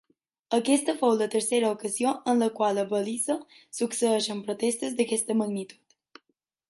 Aquesta fou la tercera ocasió en la qual a Belize succeeixen protestes d'aquesta magnitud.